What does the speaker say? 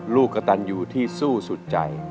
ลูกกระตัญอยู่ที่สู้สุดใจ